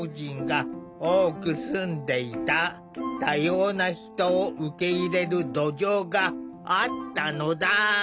多様な人を受け入れる土壌があったのだ。